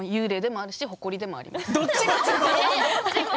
幽霊でもあるしほこりでもあります。